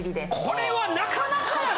これはなかなかやで！